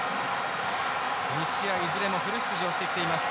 ２試合いずれもフル出場してきています。